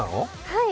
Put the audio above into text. はい、